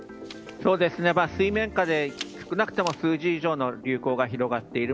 水面下で少なくとも数十以上に広がっている。